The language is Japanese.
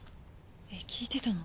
えっ聴いてたの？